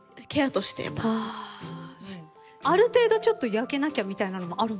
ある程度焼けなきゃみたいなのもあるんですか？